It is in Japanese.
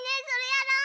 やろう！